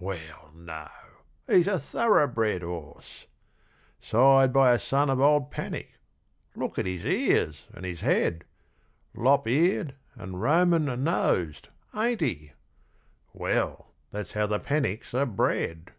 Well, no: he's a thoroughbred horse; Sired by a son of old Panic look at his ears and his head Lop eared and Roman nosed, ain't he? well, that's how the Panics are bred.